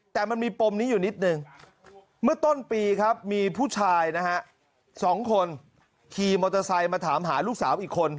แต่มันมีปมนี้อยู่นิดนึงเมื่อต้นปีครับมีผู้ชายนะฮะ๒คนขี่มอเตอร์ไซค์มาถามหาลูกสาวอีกคน